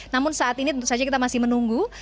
namun saat ini tentu saja kita masih menunggu